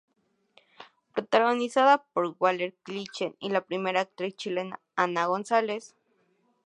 Protagonizada por Walter Kliche y la primera actriz chilena Ana González.